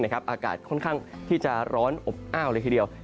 อากาศค่อนข้างที่จะร้อนอบอ้าวเลยทีเดียว